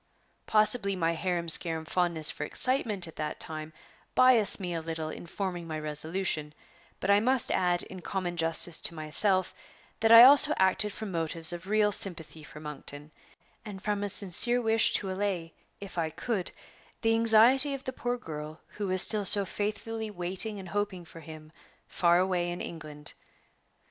Possibly my harum scarum fondness for excitement at that time biased me a little in forming my resolution; but I must add, in common justice to myself, that I also acted from motives of real sympathy for Monkton, and from a sincere wish to allay, if I could, the anxiety of the poor girl who was still so faithfully waiting and hoping for him far away in England.